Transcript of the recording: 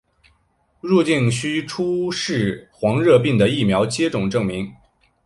入境须出示黄热病的疫苗接种证明。